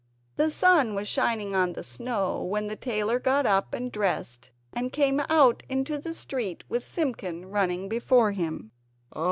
The sun was shining on the snow when the tailor got up and dressed, and came out into the street with Simpkin running before him.